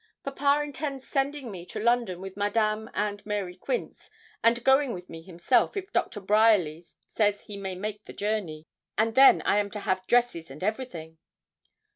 'Papa intends sending me to London with Madame and Mary Quince, and going with me himself, if Doctor Bryerly says he may make the journey, and then I am to have dresses and everything.'